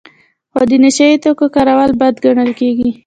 خو د نشه یي توکو کارول بد ګڼل کیږي.